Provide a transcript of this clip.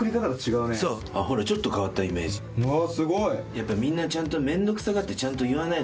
やっぱりみんな面倒くさがってちゃんと言わない。